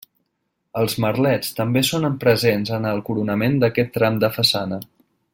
Els merlets també són presents en el coronament d'aquest tram de façana.